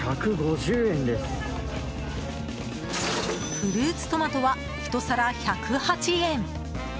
フルーツトマトは１皿１０８円。